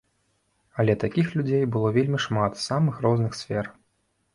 Але такіх людзей было вельмі шмат з самых розных сфер.